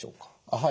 はい。